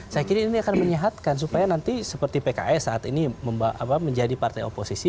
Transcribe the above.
saya kira ini akan menyehatkan supaya nanti seperti pks saat ini menjadi partai oposisi